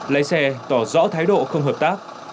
lấy xe tỏ rõ thái độ không hợp tác